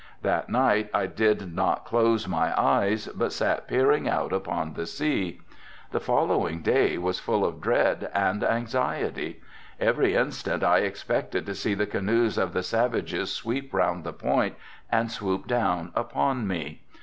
That night I did not close my eyes but sat peering out upon the sea. The following day was full of dread and anxiety. Every instant I expected to see the canoes of the savages sweep around the point and swoop down upon me.